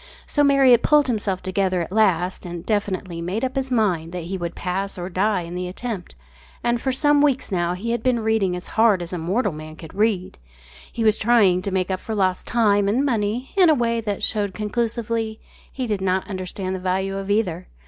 So Marriott pulled himself together at last and definitely made up his mind that he would pass or die in the attempt, and for some weeks now he had been reading as hard as mortal man can read. He was trying to make up for lost time and money in a way that showed conclusively he did not understand the value of either.